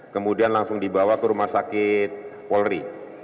kemudian langsung dibawa ke rumah sakit polri